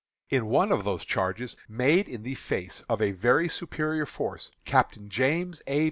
In one of those charges, made in the face of a very superior force, Captain James A.